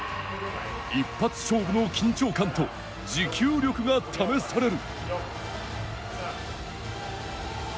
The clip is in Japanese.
一発勝負の緊張感と持久力が試される。